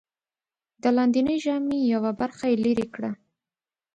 د لاندېنۍ ژامې یوه برخه یې لرې کړه.